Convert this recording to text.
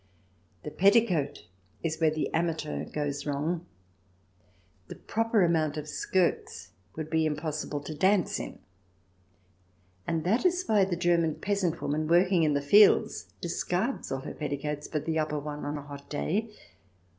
The petticoat is where the amateur goes wrong. The proper amount of skirts would be impossible to dance in ; and that is why the German peasant woman working in the fields discards all her petti coats but the upper one on a hot day.